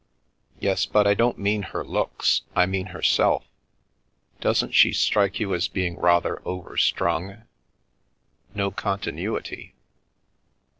"Yes, but I don't mean her looks. I mean herself. Doesn't she strike you as being rather overstrung? No continuity?"